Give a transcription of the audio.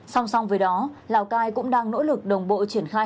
song song với đó lào cai cũng đang nỗ lực đồng bộ triển khai